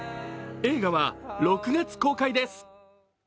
映画は６月公開です。